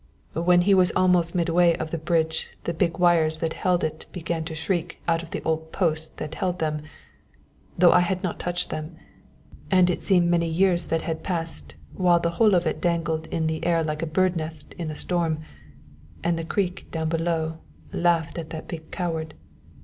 When he was almost midway of the bridge the big wires that held it began to shriek out of the old posts that held them though I had not touched them and it seemed many years that passed while the whole of it dangled in the air like a bird nest in a storm; and the creek down below laughed at that big coward.